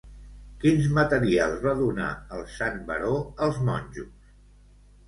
Quins materials va donar el sant baró als monjos?